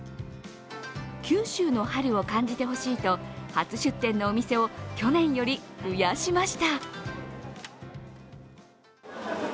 九州の春を感じてほしいと、初出店のお店を去年より増やしました。